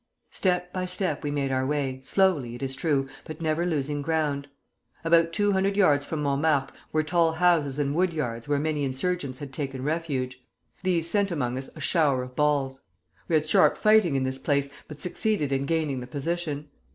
Step by step we made our way, slowly, it is true, but never losing ground. About two hundred yards from Montmartre were tall houses and wood yards where many insurgents had taken refuge. These sent among us a shower of balls. We had sharp fighting in this place, but succeeded in gaining the position.